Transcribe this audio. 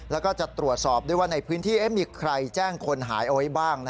แล้วก็จะตรวจสอบด้วยว่าในพื้นที่มีใครแจ้งคนหายเอาไว้บ้าง